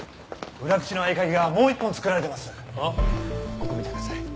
ここを見てください。